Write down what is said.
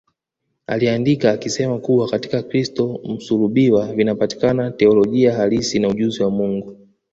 Aliandika akisema kuwa Katika Kristo msulubiwa vinapatikana teolojia halisi na ujuzi wa Mungu